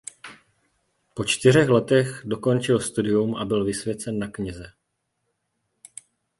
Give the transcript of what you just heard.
Po čtyřech letech dokončil studium a byl vysvěcen na kněze.